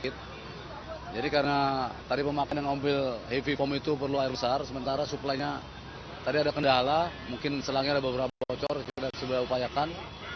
tadi ada kendala mungkin selangnya ada beberapa bocor kita sudah upayakan